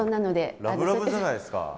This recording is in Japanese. ラブラブじゃないですか。